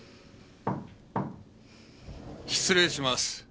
失礼します。